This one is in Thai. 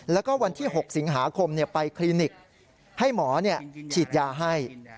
แล้วก็วันที่๖สิงหาคมไปคลินิกให้หมอฉีดยาให้